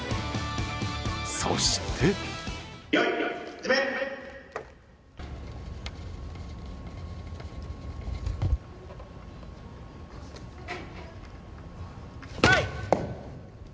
そしてはい！